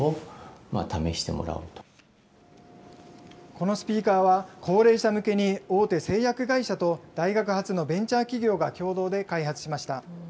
このスピーカーは、高齢者向けに大手製薬会社と大学発のベンチャー企業が共同で開発しました。